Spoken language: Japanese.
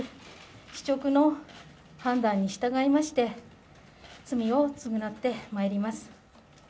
司直の判断に従いまして罪を償ってまいります。